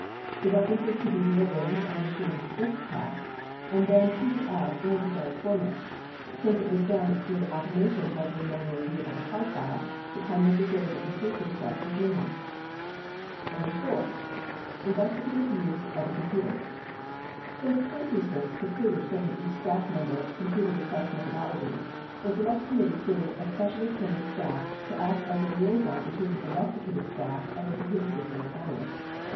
The references could be rearranged on the machine's "disk packs" and then printed out in a desired format. Since it was done through automation rather than manual review of a card file, the time necessary to complete the request was minimal. IV. INVESTIGATIVE USE OF THE COMPUTER Since time constraints precluded training each staff member com puter request methodology, the Select Committee created a specially trained staff to act as a liaison between the investigative staff and the computer systems analyst.